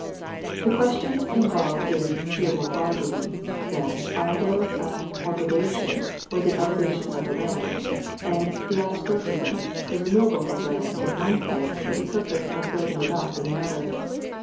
The questions involved in Geomorphogeny, then, are those of aggradation, or the elevation of the land, and diastrophism, the removal of land in one place for the purpose of building it up in another.